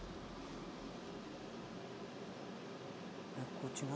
こっち何？